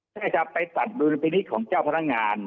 ใช่ไหมครับไปตัดดุลพินิษฐ์ของเจ้าพนักงาน